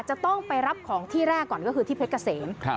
จะต้องไปรับของที่แรกก่อนก็คือที่เพชรเกษม